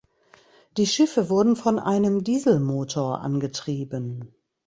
Die Schiffe wurden von einem Dieselmotor angetrieben.